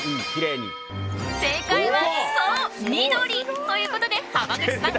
正解はそう、緑。ということで、濱口さん